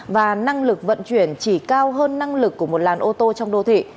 và năng lực vận chuyển chỉ cao hơn năng lực của một làn ô tô trong đô thị